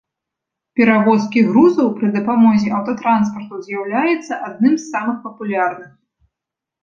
Перавозкі грузаў пры дапамозе аўтатранспарту з'яўляецца адным з самых папулярных.